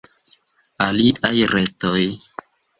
Aliaj retoj.